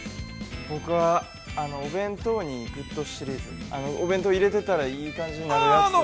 ◆僕は、お弁当にＧｏｏｄシリーズ。お弁当入れていたら、いい感じになるやつ。